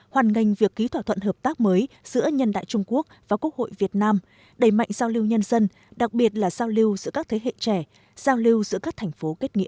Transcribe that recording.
hoàn ngành việc ký thỏa thuận hợp tác mới giữa nhân đại trung quốc và quốc hội việt nam đẩy mạnh giao lưu nhân dân đặc biệt là giao lưu giữa các thế hệ trẻ giao lưu giữa các thành phố kết nghĩa